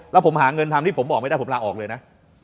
แล้วผมหาเงินทำที่ผมบอกไม่ได้ผมลาออกเลยนะ